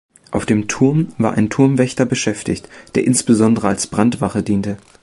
Auf dem Turm war ein Turmwächter beschäftigt, der insbesondere als Brandwache diente.